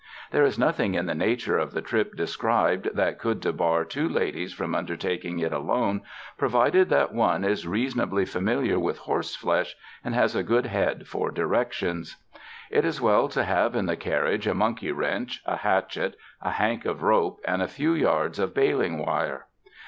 There is nothing in the nature of the trip described that would debar two ladies from undertaking it alone, provided that one is reasonably familiar with horseflesh and has a good head for directions. It is well to have in the carriage a monkey wrench, a hatchet, a hank of rope and a few yards of baling wire.